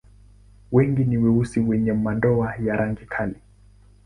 Wengi ni weusi wenye madoa ya rangi kali.